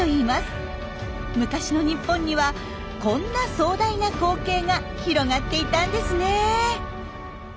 昔の日本にはこんな壮大な光景が広がっていたんですね。